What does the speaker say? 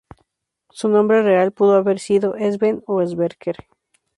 Su nombre real pudo haber sido Sven o Sverker.